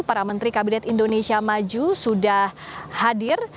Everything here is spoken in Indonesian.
para menteri kabinet indonesia maju sudah hadir